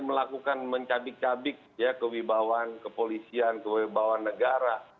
melakukan mencabik cabik ya kewibawan kepolisian kewibawan negara